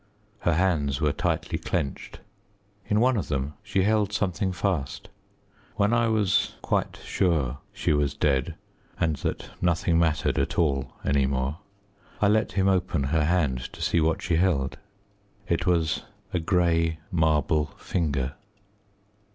Her hands were tightly clenched. In one of them she held something fast. When I was quite sure that she was dead, and that nothing mattered at all any more, I let him open her hand to see what she held. It was a grey marble finger.